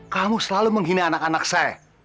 kamu selalu menghina anak anak saya